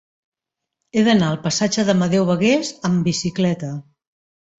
He d'anar al passatge d'Amadeu Bagués amb bicicleta.